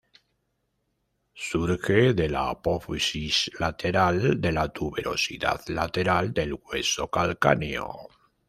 Surge de la apófisis lateral de la tuberosidad lateral del hueso calcáneo.